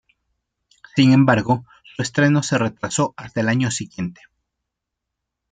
Sin embargo, su estreno se retrasó hasta el año siguiente.